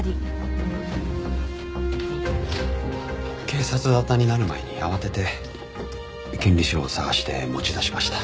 警察沙汰になる前に慌てて権利書を捜して持ち出しました。